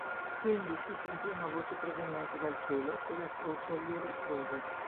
Quindi si sentì una voce proveniente dal cielo e la croce gli rispose.